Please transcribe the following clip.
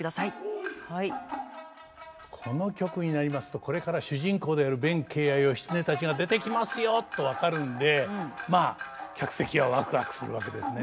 この曲になりますとこれから主人公である弁慶や義経たちが出てきますよと分かるのでまあ客席はワクワクするわけですね。